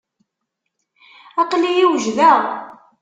Aql-iyi wejdeɣ.